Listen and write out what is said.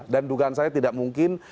dan dugaan saya tidak mungkin